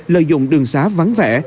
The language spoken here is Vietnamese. lợi dụng đường xá vắng vẻ